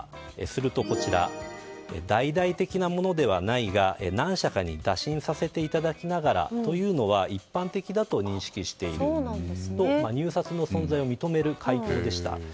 すると、大々的なものではないが何社かに打診させていただきながらというのは一般的だと認識していると入札の存在を認める回答でした。